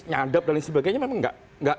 nyadap dan lain sebagainya memang nggak